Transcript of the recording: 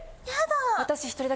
やだ！